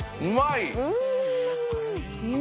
うまい！